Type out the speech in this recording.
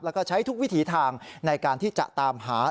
แล้วก็ใช้ทุกวิถีทางในการที่จะตามหา